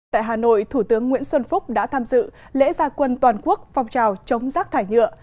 tại hà nội thủ tướng nguyễn xuân phúc đã tham dự lễ gia quân toàn quốc phong trào chống rác thải nhựa